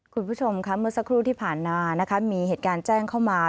คุณผู้ชมค่ะเมื่อสักครู่ที่ผ่านมานะคะมีเหตุการณ์แจ้งเข้ามา